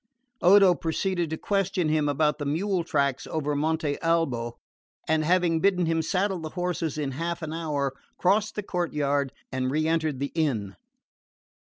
Odo proceeded to question him about the mule tracks over Monte Baldo, and having bidden him saddle the horses in half an hour, crossed the courtyard and re entered the inn.